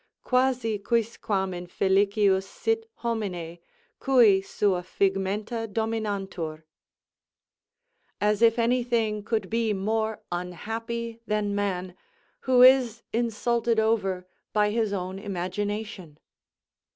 Quasi quicquam infelicius sit homine, cui sua figmenta dominantur: "As if any thing could be more unhappy than man, who is insulted over by his own imagination."